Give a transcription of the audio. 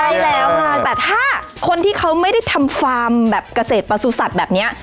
แต่ถ้าคนที่เขาไม่ได้ทำฟาร์มกเกษตรปลาสู้สัตว์แบบนี้